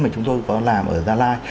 mà chúng tôi có làm ở gia lai